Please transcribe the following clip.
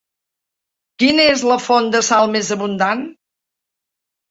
Quina és la font de sal més abundant?